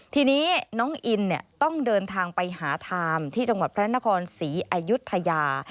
ทีนี้น้องอินต้องเดินทางไปหาไทม์ที่จังหวัดพระนครศรีอายุทยา